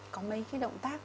có mấy cái động tác